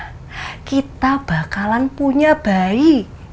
karena kita bakalan punya bayi